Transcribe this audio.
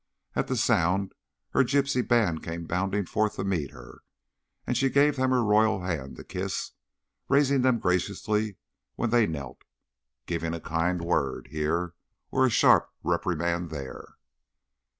At the sound her gypsy band came bounding forth to meet her, and she gave them her royal hand to kiss, raising them graciously when they knelt, giving a kind word here or a sharp reprimand there.